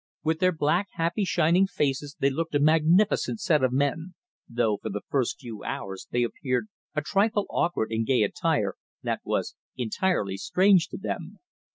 With their black happy shining faces they looked a magnificent set of men, though for the first few hours they appeared a trifle awkward in gay attire that was entirely strange to them.